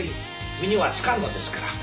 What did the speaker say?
身には付かんのですから。